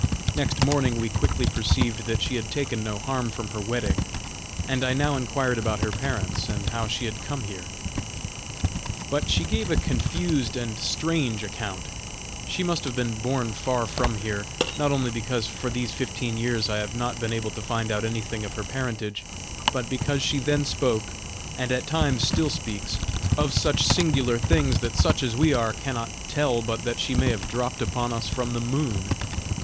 Next morning we quickly perceived that she had taken no harm from her wetting, and I now inquired about her parents, and how she had come here. But she gave a confused and strange account. She must have been born far from here, not only because for these fifteen years I have not been able to find out anything of her parentage, but because she then spoke, and at times still speaks, of such singular things that such as we are cannot tell but that she may have dropped upon us from the moon.